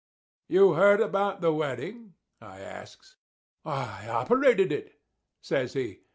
"You heard about the wedding?" I asks. "I operated it," says he.